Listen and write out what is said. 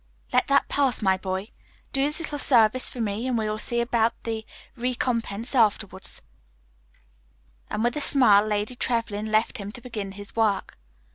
"Let that pass, my boy. Do this little service for me and we will see about the recompense afterward." And with a smile Lady Trevlyn left him to begin his work.